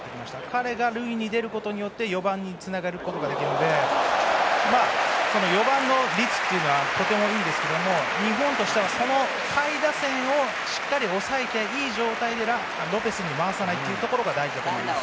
彼が塁に出ることで４番につながるので４番の率というのはとてもいいんですけど日本としては下位打線をしっかり抑えていい状態でロペスに回さないことが大事だと思います。